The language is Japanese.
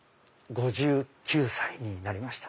５９歳になりました。